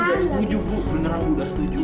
dwi setuju bu beneran dwi setuju